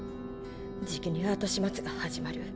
じきに後始末が始まる。